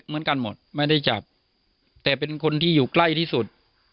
เหมือนกันหมดไม่ได้จับแต่เป็นคนที่อยู่ใกล้ที่สุด